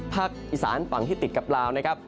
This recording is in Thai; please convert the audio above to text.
อีสานฝั่งที่ติดกับลาวนะครับ